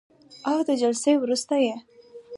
او د جلسې وروسته یې